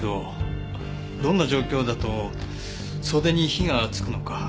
どんな状況だと袖に火がつくのか。